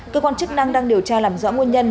cơ quan chức năng đang điều tra làm rõ nguồn nhân